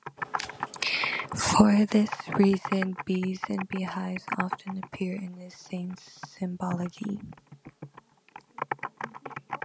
For this reason, bees and beehives often appear in the saint's symbology.